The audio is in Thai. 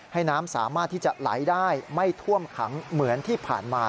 ให้น้ำสามารถที่จะไหลได้ไม่ท่วมขังเหมือนที่ผ่านมา